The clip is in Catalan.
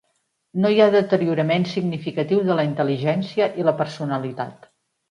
No hi ha deteriorament significatiu de la intel·ligència i la personalitat.